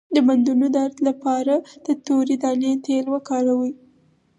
د بندونو درد لپاره د تورې دانې تېل وکاروئ